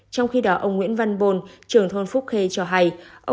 trong khi đó ông nguyễn văn bồn trưởng thôn phúc khê cho hay